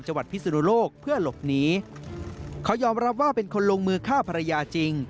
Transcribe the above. พิศนุโลกเพื่อหลบหนีเขายอมรับว่าเป็นคนลงมือฆ่าภรรยาจริง